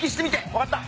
分かった。